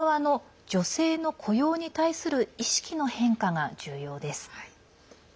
状況の改善には企業側の女性の雇用に対する意識の変化が重要です。